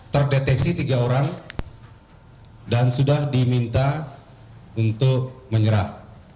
terdeteksi tiga orang dan sudah diminta untuk menyerah